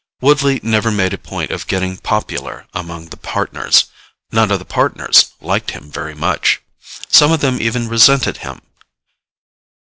Woodley never made a point of getting popular among the Partners. None of the Partners liked him very much. Some of them even resented him.